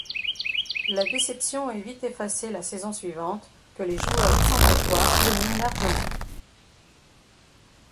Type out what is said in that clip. La déception est vite effacée la saison suivante, que les joueurs luxembourgeois dominent largement.